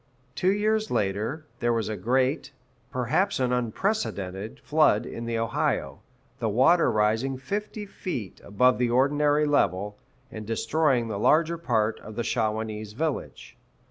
Two years later, there was a great perhaps an unprecedented flood in the Ohio, the water rising fifty feet above the ordinary level, and destroying the larger part of the Shawanese village.